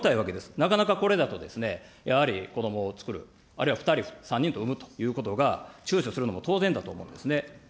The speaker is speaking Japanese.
なかなかこれだと、やはり子どもをつくる、あるいは２人、３人と産むということが、ちゅうちょするのも当然だと思うんですね。